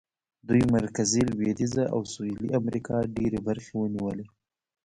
دوی مرکزي، لوېدیځه او سوېلي امریکا ډېرې برخې ونیولې.